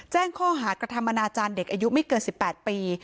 แจ้งข้อหากระทำอนาจารย์เด็กอายุไม่เกิน๑๘ปี